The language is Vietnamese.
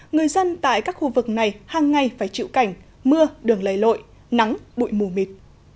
người dân tại các khu vực này hàng ngày phải chịu cảnh mưa đường lầy lội nắng bụi mù mịt